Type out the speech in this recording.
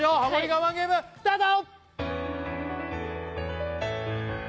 我慢ゲームスタート